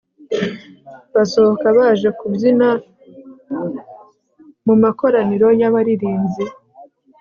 basohoka baje kubyina mu makoraniro y'abaririmbyi